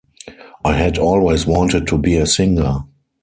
I had always wanted to be a singer.